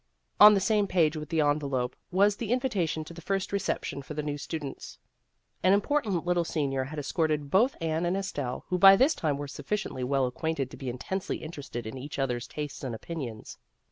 On the same page with the envelope was the invitation to the first reception for the new students. An important little senior had escorted both Anne and Estelle, who by this time were sufficiently well ac quainted to be intensely interested in each other's tastes and opinions.